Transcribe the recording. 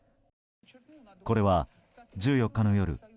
これは１４日の夜